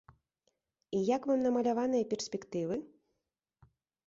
І як вам намаляваныя перспектывы?